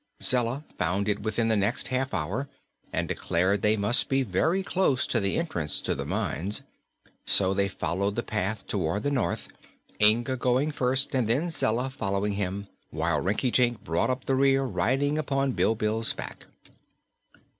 Zella found it within the next half hour and declared they must be very close to the entrance to the mines; so they followed the path toward the north, Inga going first, and then Zella following him, while Rinkitink brought up the rear riding upon Bilbil's back.